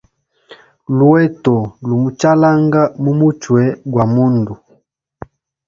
Luheto lu muchalanga mu muchwe gwa mundu.